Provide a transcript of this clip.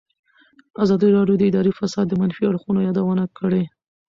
ازادي راډیو د اداري فساد د منفي اړخونو یادونه کړې.